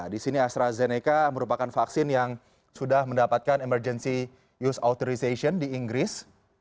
di sini astrazeneca merupakan vaksin yang sudah mendapatkan emergency use authorization di inggris